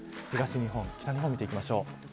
東日本、北日本見ていきましょう。